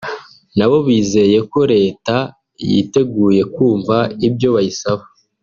nabo bizeye ko Leta yiteguye kumva ibyo bayisaba